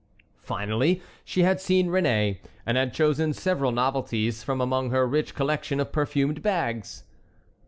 Finally she had seen Réné, and had chosen several novelties from among her rich collection of perfumed bags.